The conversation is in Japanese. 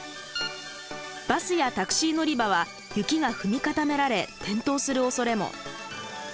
バスやタクシー乗り場は雪が踏み固められ転倒するおそれも。